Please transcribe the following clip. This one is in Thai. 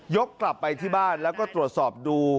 กลับไปที่บ้านแล้วก็ตรวจสอบดู